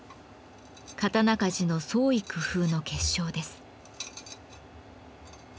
刀鍛冶の創意工夫の結晶です。